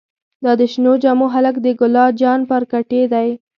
دا د شنو جامو هلک د ګلا جان پارکټې دې.